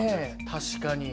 確かに。